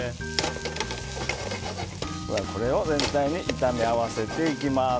これを全体に炒め合わせていきます。